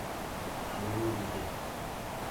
angenrit